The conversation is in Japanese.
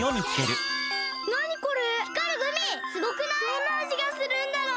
どんなあじがするんだろう？